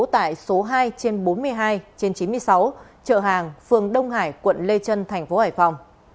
tại số hai trên bốn mươi hai trên chín mươi sáu chợ hàng phường đông hải quận lê trân thành phố hải phòng